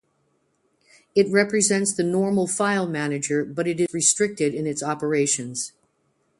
It represents the normal file manager, but it is restricted in its operations.